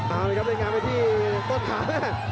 เอาเลยครับเล่นงานไปที่ต้นขาแม่